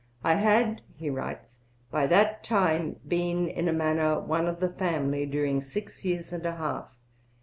'I had,' he writes, 'by that time been in a manner one of the family during six years and a half.